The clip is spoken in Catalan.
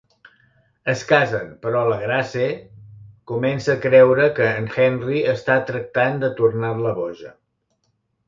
Es casen, però la Grace comença a creure que en Henry està tractant de tornar-la boja.